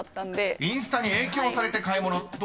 ［インスタに影響されて買い物どうですか？